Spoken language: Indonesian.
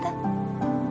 lihat lah si tori